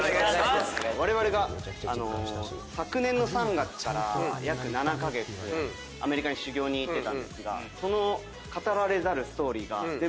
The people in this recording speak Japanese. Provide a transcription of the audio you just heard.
われわれが昨年の３月から約７カ月アメリカに修業に行ってたんですがその語られざるストーリーが全部詰まった。